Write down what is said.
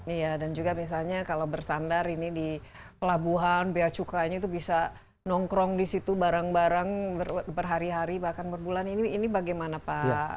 iya dan juga misalnya kalau bersandar ini di pelabuhan beacukanya itu bisa nongkrong di situ barang barang berhari hari bahkan berbulan ini bagaimana pak